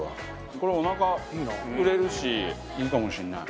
これは、おなか膨れるしいいかもしれない。